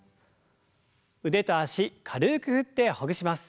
腕と脚軽く振ってほぐします。